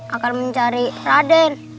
akan mencari raden